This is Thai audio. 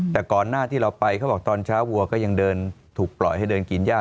แต่ก่อนหน้าที่เราไปเขาบอกตอนเช้าวัวก็ยังเดินถูกปล่อยให้เดินกินย่า